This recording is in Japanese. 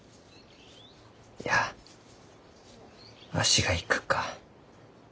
いやわしが行くか。